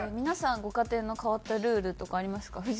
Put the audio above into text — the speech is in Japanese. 皆さんご家庭の変わったルールとかありますか？